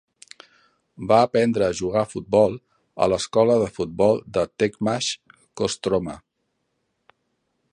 Va aprendre a jugar a futbol a l'escola de futbol de Tekmash Kostroma.